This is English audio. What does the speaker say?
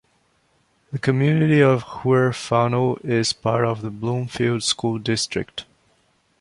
The community of Huerfano is part of the Bloomfield School District.